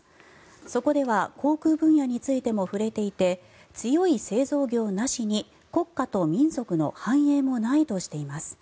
そこでは航空分野についても触れていて強い製造業なしに国家と民族の繁栄もないとしています。